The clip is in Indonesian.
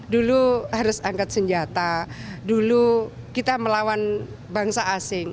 dulu harus angkat senjata dulu kita melawan bangsa asing